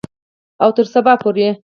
او تر سبا پورې.